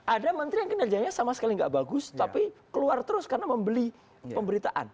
ada menteri yang kinerjanya sama sekali nggak bagus tapi keluar terus karena membeli pemberitaan